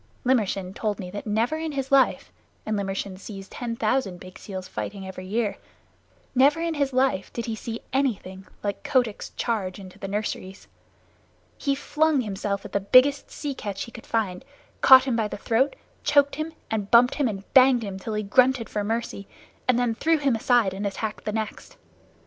Limmershin told me that never in his life and Limmershin sees ten thousand big seals fighting every year never in all his little life did he see anything like Kotick's charge into the nurseries. He flung himself at the biggest sea catch he could find, caught him by the throat, choked him and bumped him and banged him till he grunted for mercy, and then threw him aside and attacked the next.